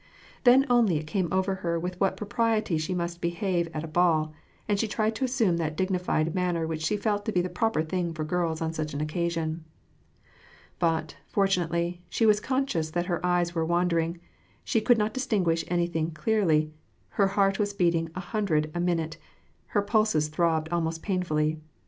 Then only it came over lier with what propriety she must behave at a b^ill, and she tried to assume tliat dignified manner which she felt to be the proper thing for girls on such an occasion. But, fortunately, she was conscious that her eyes were wan dering; she could not distinguish anything clearly: her heart was beating a hundred a minute, and her pulses throbbed almost painfully.